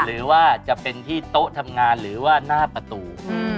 หรือว่าจะเป็นที่โต๊ะทำงานหรือว่าหน้าประตู